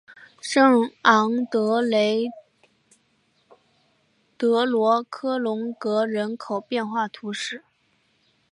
圣昂德雷德罗科龙格人口变化图示